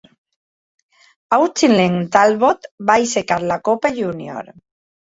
Auchinleck Talbot va aixecar la Copa Junior.